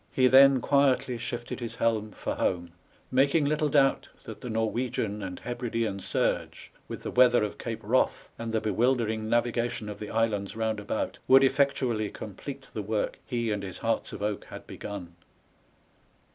He then quietly shifted his helm for home, making little doubt that the Norwegian and Hebridean surge, with the weather of Cape Wrath and the bewildering navigation of the islands round about, would effectually complete the work he and his hearts of oak had begun.